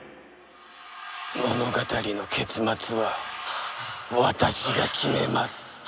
物語の結末は私が決めます。